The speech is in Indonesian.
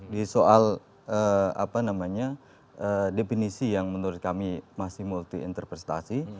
di soal definisi yang menurut kami masih multi interpretasi